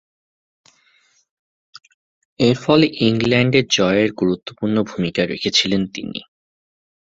এরফলে ইংল্যান্ডের জয়ে গুরুত্বপূর্ণ ভূমিকা রেখেছিলেন তিনি।